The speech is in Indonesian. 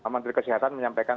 menteri kesehatan menyampaikan